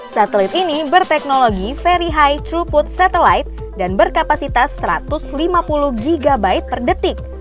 satelit ini berteknologi very high true food satelite dan berkapasitas satu ratus lima puluh gb per detik